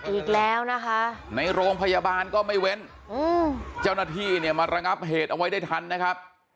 อีกแล้วนะคะในโรงพยาบาลก็ไม่เว้นเจ้าหน้าที่เนี่ยมาระงับเหตุเอาไว้ได้ทันนะครับ